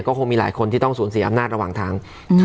ก็คงมีหลายคนที่ต้องสูญเสียอำนาจระหว่างทาง